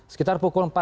sekitar pukul enam belas